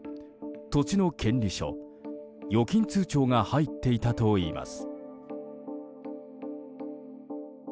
土地の権利書、預金通帳が入っていたといいます。